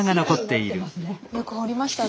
よく掘りましたね。